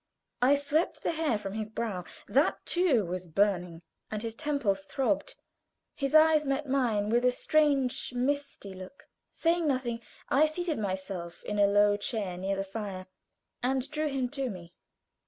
I swept the hair from his brow, that too was burning, and his temples throbbed. His eyes met mine with a strange, misty look. Saying nothing, I seated myself in a low chair near the fire, and drew him to me.